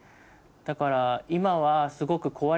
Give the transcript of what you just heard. だから今はすごく。